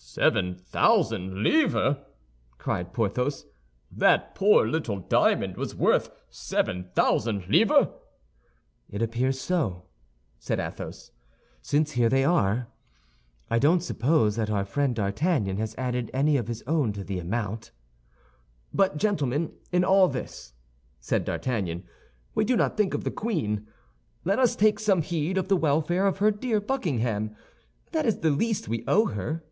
"Seven thousand livres!" cried Porthos. "That poor little diamond was worth seven thousand livres?" "It appears so," said Athos, "since here they are. I don't suppose that our friend D'Artagnan has added any of his own to the amount." "But, gentlemen, in all this," said D'Artagnan, "we do not think of the queen. Let us take some heed of the welfare of her dear Buckingham. That is the least we owe her."